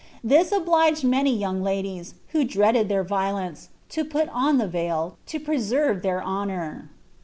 This obliged many young ladies, who dreaded their violence, to put on the veil, to preserve their honour.